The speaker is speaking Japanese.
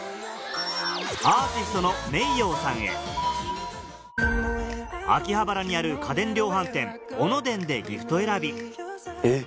アーティストのｍｅｉｙｏさんへ秋葉原にある家電量販店オノデンでギフト選びえっ